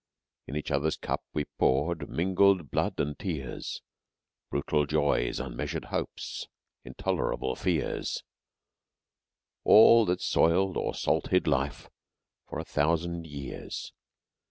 In each other's cup we poured mingled blood and tears, Brutal joys, unmeasured hopes, intolerable fears, All that soiled or salted life for a thousand years.